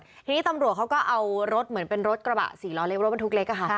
ทีนี้ตำรวจเขาก็เอารถเหมือนเป็นรถกระบะสี่ล้อเล็กรถบรรทุกเล็กอะค่ะ